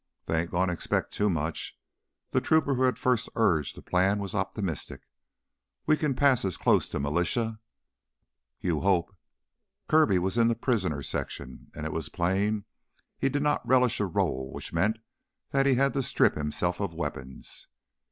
"They ain't gonna expect too much." The trooper who had first urged the plan was optimistic. "We can pass as close to militia " "You hope!" Kirby was in the prisoner's section, and it was plain he did not relish a role which meant that he had to strip himself of weapons.